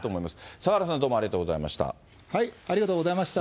坂原さん、どうもありがとうござありがとうございました。